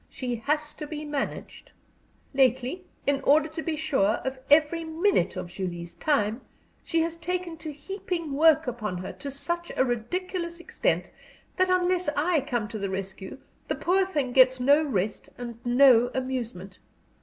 She has to be managed. Lately, in order to be sure of every minute of Julie's time, she has taken to heaping work upon her to such a ridiculous extent that unless I come to the rescue the poor thing gets no rest and no amusement.